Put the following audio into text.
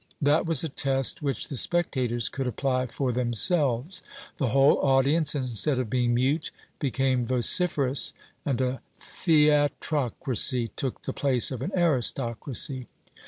That was a test which the spectators could apply for themselves; the whole audience, instead of being mute, became vociferous, and a theatrocracy took the place of an aristocracy.